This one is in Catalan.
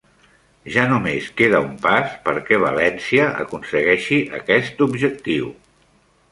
Ja només queda un pas perquè València aconsegueixi aquest objectiu